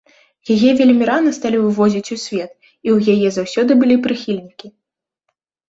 Яе вельмі рана сталі вывозіць у свет, і ў яе заўсёды былі прыхільнікі.